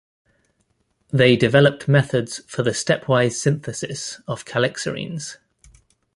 They developed methods for the stepwise synthesis of calixarenes.